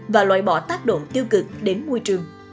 và loại bỏ tác động tiêu cực đến môi trường